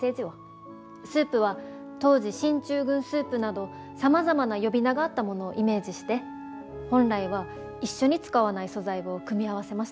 スープは当時進駐軍スープなどさまざまな呼び名があったものをイメージして本来は一緒に使わない素材を組み合わせました。